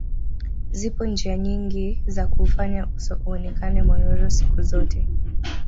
Zipo njia nyingi za kuufanya uso uonekane mororo siku zote